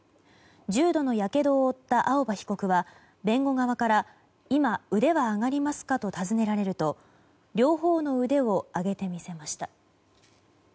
重度のやけどを負った青葉被告は弁護側から今、腕は上がりますかと尋ねられると両方の腕を上げてみせました。